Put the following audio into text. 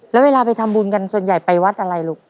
แล้วเวลาไปทำบุญกันส่วนใหญ่ไปวัดอะไรลูก